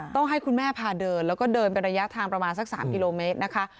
ต้องให้คุณแม่พาเดินแล้วก็เดินเป็นระยะทางประมาณสัก๓กิโลเมตรนะคะ